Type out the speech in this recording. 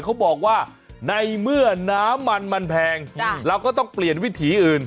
เขาบอกว่าในเมื่อน้ำมันมันแพงเราก็ต้องเปลี่ยนวิถีอื่น